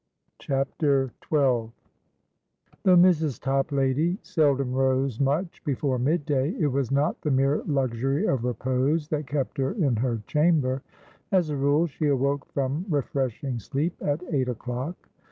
CHAPTER XII Though Mrs. Toplady seldom rose much before midday, it was not the mere luxury of repose that kept her in her chamber. As a rule, she awoke from refreshing sleep at eight o'clock.